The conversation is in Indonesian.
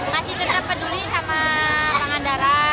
masih tetap peduli sama pengendara